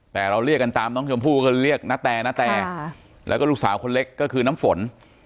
แต่เราเรียกกันตามน้องชมพู่ก็เรียกนาแตนาแตแล้วก็ลูกสาวคนเล็กก็คือน้ำฝน